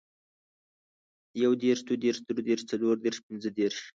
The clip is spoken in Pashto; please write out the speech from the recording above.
يو دېرش، دوه دېرش، دري دېرش ، څلور دېرش، پنځه دېرش،